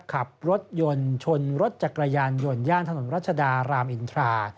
ขับรถยนต์ชนรถจักรยานยนต์ย่านถนนรัชดารามอินทรา